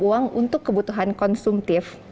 uang untuk kebutuhan konsumtif